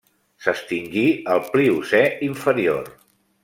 S'extingí al Pliocè inferior.